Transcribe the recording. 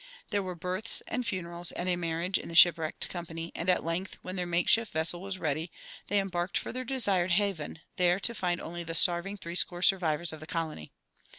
There were births and funerals and a marriage in the shipwrecked company, and at length, when their makeshift vessel was ready, they embarked for their desired haven, there to find only the starving threescore survivors of the colony.